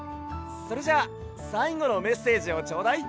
それじゃあさいごのメッセージをちょうだい！